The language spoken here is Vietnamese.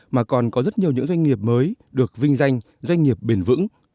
mà còn có rất nhiều những doanh nghiệp mới được vinh danh doanh nghiệp bền vững